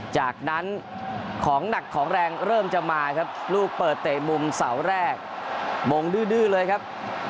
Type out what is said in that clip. จากนั้นของหนักของแรงเริ่มจะมาครับลูกเปิดเตะมุมเสาแรกมงดื้อเลยครับ